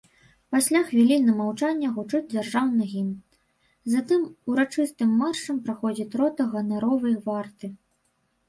Пасля хвіліны маўчання гучыць дзяржаўны гімн, затым урачыстым маршам праходзіць рота ганаровай варты.